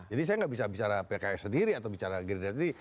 saya nggak bisa bicara pks sendiri atau bicara gerindra sendiri